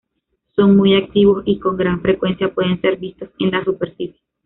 Son muy activos y con gran frecuencia pueden ser vistos en la superficie.